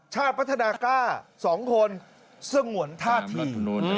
ชาติพัฒนากล้า๒คนสงวนท่าที